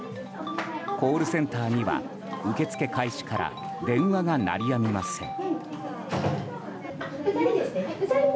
コールセンターには受け付け開始から電話が鳴りやみません。